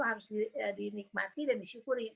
harus dinikmati dan disyukuri